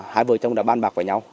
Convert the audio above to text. hai vợ chồng đã ban bạc với nhau